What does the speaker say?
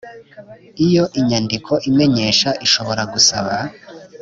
Iyo inyandiko imenyesha ishobora gusaba